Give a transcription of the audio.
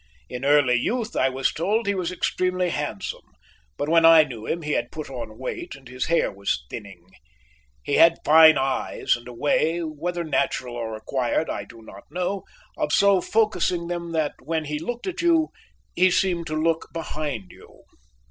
In early youth, I was told, he was extremely handsome, but when I knew him he had put on weight, and his hair was thinning. He had fine eyes and a way, whether natural or acquired I do not know, of so focusing them that, when he looked at you, he seemed to look behind you.